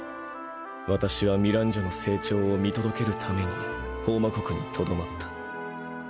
私はミランジョの成長を見届けるためにホウマ国にとどまった。